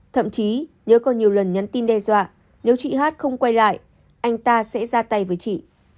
thậm chí nhớ còn nhiều lần nhắn tin đe dọa nếu chị hát không quay lại anh ta sẽ ra tay với chị